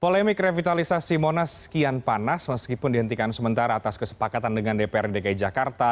polemik revitalisasi monas sekian panas meskipun dihentikan sementara atas kesepakatan dengan dprd dki jakarta